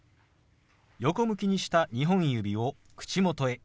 横向きにした２本指を口元へ。